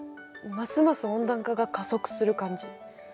ますます温暖化が加速する感じ。